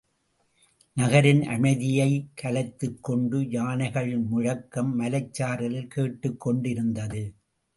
நகரின் அமைதியைக் கலைத்துக் கொண்டு யானைகளின் முழக்கம் மலைச்சாரலில் கேட்டுக் கொண்டிருந்தது.